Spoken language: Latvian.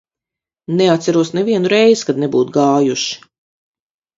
Neatceros nevienu reizi, kad nebūtu gājuši.